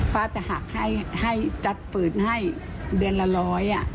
ป้าจะหักให้จัดปืนให้เดือนละร้อย